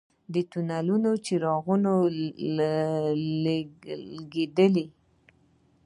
د تونلونو څراغونه لګیدلي؟